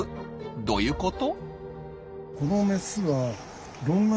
どういうこと？